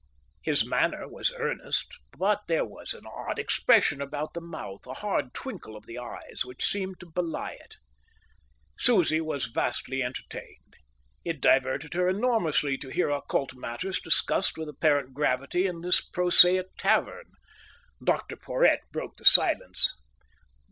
His mariner was earnest, but there was an odd expression about the mouth, a hard twinkle of the eyes, which seemed to belie it. Susie was vastly entertained. It diverted her enormously to hear occult matters discussed with apparent gravity in this prosaic tavern. Dr Porhoët broke the silence.